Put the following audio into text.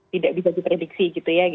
tidak dibagi prediksi gitu ya